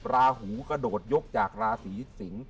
ราหูกระโดดยกจากราศีสิงศ์